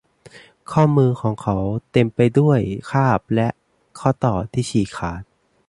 ข้อมือของเขาเต็มไปด้วยคราบและข้อต่อที่ฉีกขาด